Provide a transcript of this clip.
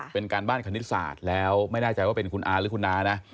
เป็นการบ้านคณิตศาสตร์แล้วไม่แน่ใจว่าเป็นคุณอาร์หรือคุณน้านะ